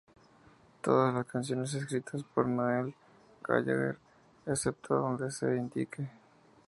Todas las canciones escritas por Noel Gallagher, excepto donde se indique.